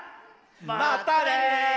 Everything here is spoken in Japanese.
またね！